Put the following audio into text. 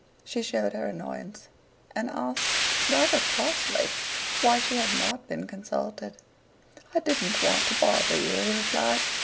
She showed her annoyance, and asked rather crossly why she had not been consulted. "I didn't want to bother you," he replied.